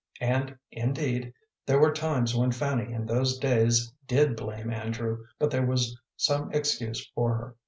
And, indeed, there were times when Fanny in those days did blame Andrew, but there was some excuse for her.